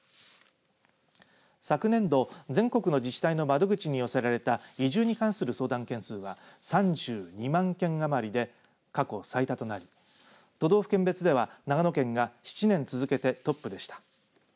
昨年度、全国の自治体の窓口に寄せられた移住に関する相談件数は３２万件余りで過去最多となり都道府県別では長野県が７年続けてトップでした。